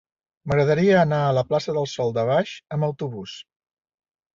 M'agradaria anar a la plaça del Sòl de Baix amb autobús.